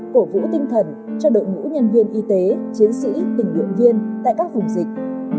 cổ vũ tinh thần cho đội ngũ nhân viên y tế chiến sĩ tình nguyện viên tại các vùng dịch